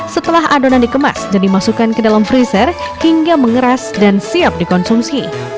setelah adonan dikemas dan dimasukkan ke dalam freezer hingga mengeras dan siap dikonsumsi